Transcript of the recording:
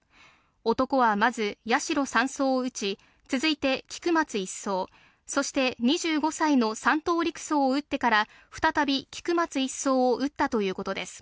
男はまず、八代３曹を撃ち、続いて菊松１曹、そして２５歳の３等陸曹を撃ってから、再び菊松１曹を撃ったということです。